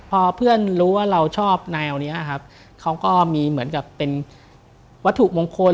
พอเพื่อนรู้ว่าเราชอบแนวนี้ครับเขาก็มีเหมือนกับเป็นวัตถุมงคล